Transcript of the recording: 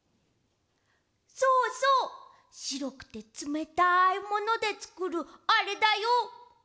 そうそうしろくてつめたいものでつくるあれだよ！